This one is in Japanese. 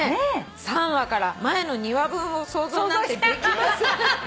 「３話から前の２話分を想像なんてできません」